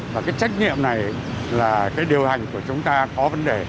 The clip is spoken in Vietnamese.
và cái trách nhiệm này là cái điều hành của chúng ta có vấn đề